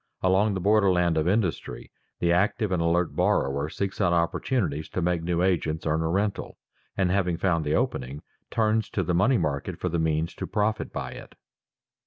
Along the border land of industry the active and alert borrower seeks out opportunities to make new agents earn a rental, and having found the opening, turns to the money market for the means to profit by it.